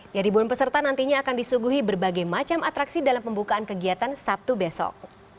ya ribuan peserta nantinya akan disuguhi berbagai macam atraksi dalam pembukaan kegiatan sabtu besok